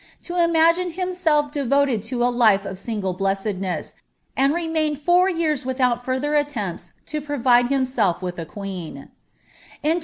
to imagine himvetf deTotcd to a life of single bleisethieu, and reniabtil fonr years without further attempts to provide himself with a qiit«n.